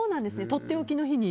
とっておきの日に？